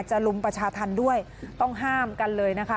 รุมประชาธรรมด้วยต้องห้ามกันเลยนะคะ